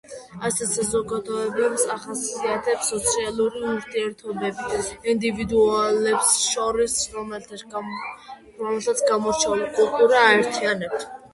ასეთ საზოგადოებებს ახასიათებს სოციალური ურთიერთობები ინდივიდუალებს შორის, რომელთაც გამორჩეული კულტურა აერთიანებთ.